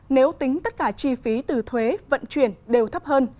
nếu tính tất cả chi phí từ thuế vận chuyển đều thấp hơn